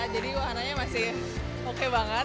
jadi warnanya masih oke banget